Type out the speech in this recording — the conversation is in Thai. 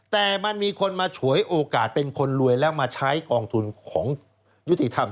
แต่มันมีคนมาฉวยโอกาสเป็นคนรวยแล้วมาใช้กองทุนของยุติธรรม